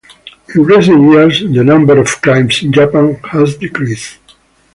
In recent years, the number of crimes in Japan has decreased.